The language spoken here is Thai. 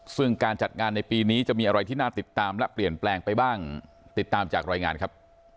ซึ่งการจัดงานในปีนี้จะมีอะไรที่น่าติดตามและเปลี่ยนแปลงไปบ้างติดตามจากรายงานครับ